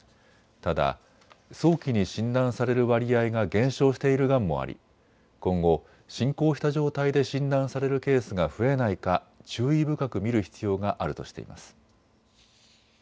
ただ早期に診断される割合が減少しているがんもあり今後、進行した状態で診断されるケースが増えないか注意深く見る必要があるとしています。